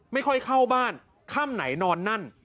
ไม่ค่อยเข้าบ้านค่ำไหนนอนนั่น